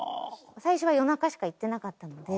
最初は夜中しか行ってなかったので。